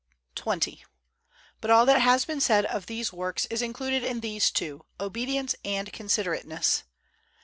XX. But all that has been said of these works is included in these two, obedience and considerateness.